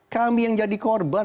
kami yang jadi korban